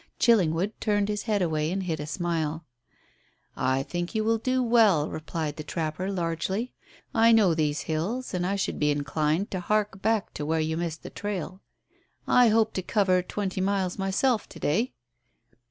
Chillingwood turned his head away and hid a smile. "I think you will do well," replied the trapper largely. "I know these hills, and I should be inclined to hark back to where you missed the trail. I hope to cover twenty miles myself to day."